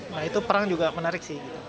nah itu perang juga menarik sih